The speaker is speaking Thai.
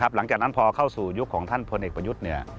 หลังจากนั้นพอเข้าสู่ยุคของท่านพลเอกประยุทธ์